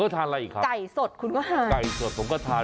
ทานอะไรอีกครับไก่สดคุณก็ทานไก่สดผมก็ทาน